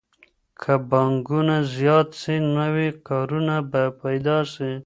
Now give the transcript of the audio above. که پانګونه زیاته سي نوي کارونه به پیدا سي.